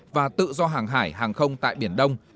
và tự do hàng hải hàng không tại biển đông